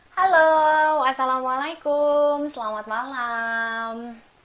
halo assalamualaikum selamat malam